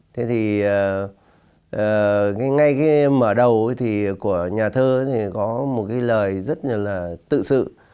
thế thì ngay cái mở đầu thì của nhà thơ thì có một cái lời rất là tự sự